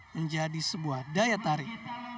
menjadi sebuah daya tarik